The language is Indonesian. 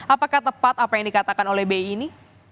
apakah tepat apa yang dikatakan oleh bi ini